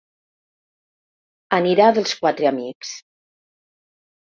Anirà dels quatre amics.